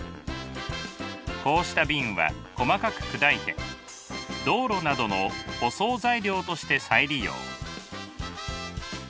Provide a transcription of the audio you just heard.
こうした瓶は細かく砕いて道路などの舗装材料として再利用。